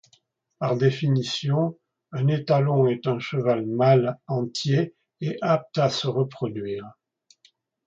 Par définition, un étalon est un cheval mâle entier et apte à se reproduire.